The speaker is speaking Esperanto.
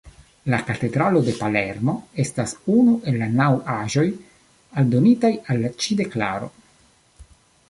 La katedralo de Palermo estas unu el la naŭ aĵoj aldonitaj al ĉi deklaro.